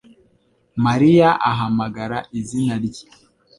Mariya ahamagara izina rye